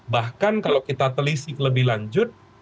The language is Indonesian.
bahkan kalau kita telisik lebih lanjut